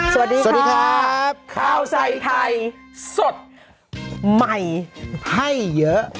สวัสดีครับสวัสดีครับคราวใส่ไทยสดใหม่ให้เยอะอ๋อ